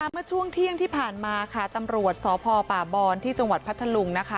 เมื่อช่วงเที่ยงที่ผ่านมาค่ะตำรวจสพป่าบอนที่จังหวัดพัทธลุงนะคะ